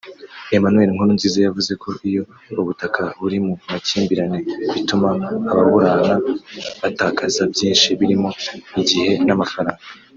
Emmanuel Nkurunziza yavuze ko iyo ubutaka buri mu makimbirane bituma ababuburana batakaza byinshi birimo igihe n’amafaranga